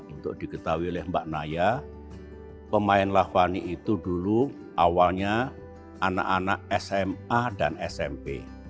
untuk diketahui oleh mbak naya pemain lavani itu dulu awalnya anak anak sma dan smp